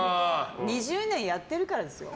２０年やってるからですよ。